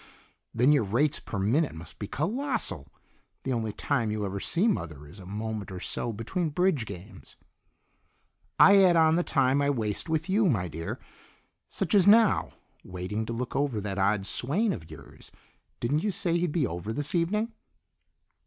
"Then your rates per minute must be colossal! The only time you ever see Mother is a moment or so between bridge games." "I add on the time I waste with you, my dear. Such as now, waiting to look over that odd swain of yours. Didn't you say he'd be over this evening?"